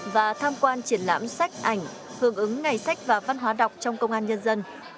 và tham quan triển lãm sách ảnh hưởng ứng ngày sách và văn hóa đọc trong công an nhân dân